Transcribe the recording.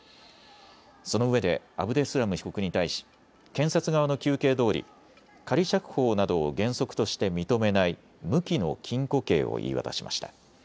そのうえでアブデスラム被告に対し、検察側の求刑どおり仮釈放などを原則として認めない無期の禁錮刑を言い渡しました。